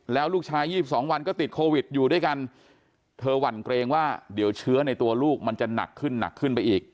แล้วลูกชาย๒๒วันก็ติดโควิดอยู่ด้วยกันเธอหวั่นเกรงว่าเดี๋ยวเชื้อในตัวลูกมันจะหนักขึ้นหนักขึ้นไปอีก